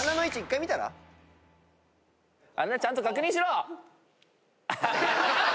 ・穴ちゃんと確認しろ！